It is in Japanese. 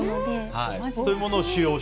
はい。